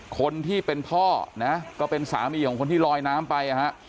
คนที่เป็นพ่อนะก็เป็นสามีของคนที่ลอยน้ำไปนะฮะ